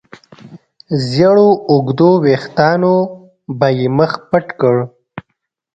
زېړو اوږدو وېښتانو به يې مخ پټ کړ.